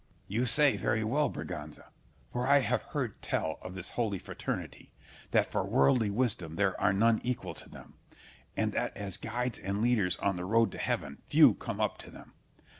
Scip. You say very well, Berganza; for I have heard tell of this holy fraternity, that for worldly wisdom there are none equal to them; and that as guides and leaders on the road to heaven, few come up to them.